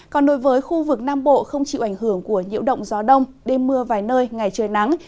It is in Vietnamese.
còn đối với khu vực nam bộ không chịu ảnh hưởng của nhiễu động gió đông đêm mưa vài nơi ngày trời nắng